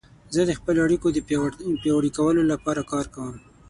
زه د خپلو اړیکو د پیاوړي کولو لپاره کار کوم.